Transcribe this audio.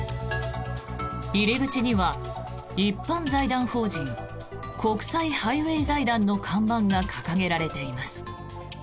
入り口には一般財団法人国際ハイウェイ財団の看板が掲げられています。